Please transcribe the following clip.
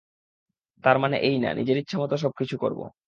তার মানে এই না, নিজের ইচ্ছামতো সবকিছু করব।